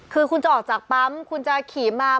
คือคุณจะออกจากปั๊มคุณจะขี่มา